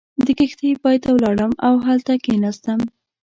د کښتۍ پای ته ولاړم او هلته کېناستم.